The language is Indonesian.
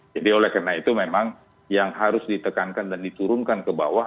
jadi oleh karena itu memang yang harus ditekankan dan diturunkan ke bawah